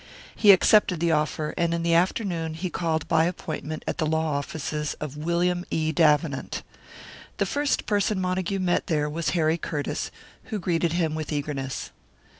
He accepted the offer, and in the afternoon he called by appointment at the law offices of William E. Davenant. The first person Montague met there was Harry Curtiss, who greeted him with eagerness.